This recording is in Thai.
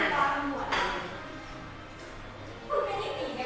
มีราวของนางผลวะ